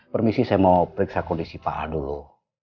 permisi saya mau periksa kondisi pak al dulu